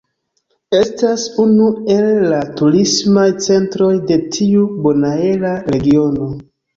Estas unu el la turismaj centroj de tiu bonaera regiono.